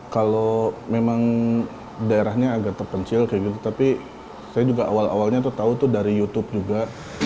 kalau memang daerahnya agak terpencil kayak gitu tapi saya juga awal awalnya tuh tahu tuh dari youtube juga